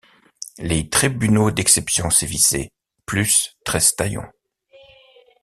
Les tribunaux d’exception sévissaient, plus Trestaillon.